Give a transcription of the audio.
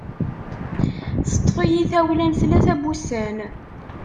Teṭṭef-iyi tawla n tlata n wussan.